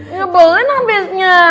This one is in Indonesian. ya boleh namanya